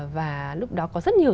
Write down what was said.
và lúc đó có rất nhiều